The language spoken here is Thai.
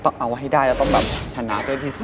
ต้องเอาให้ได้แล้วต้องแบบชนะด้วยที่สุด